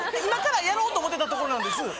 今からやろうと思ってたとこなんです。